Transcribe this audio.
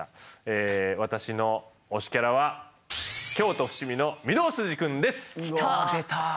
え私の推しキャラは京都伏見の御堂筋くんです。きた！